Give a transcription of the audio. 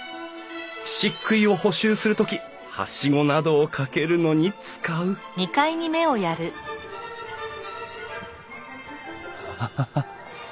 漆喰を補修する時はしごなどをかけるのに使うハハハ。